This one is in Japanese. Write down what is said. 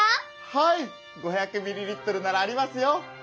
はい５００ｍＬならありますよ。